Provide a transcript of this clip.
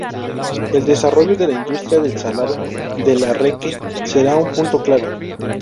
El desarrollo de la industria del salado del arenque será un punto clave.